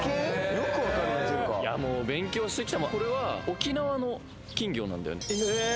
よくわかるねというかいやもう勉強してきたもんこれは沖縄の金魚なんだよえ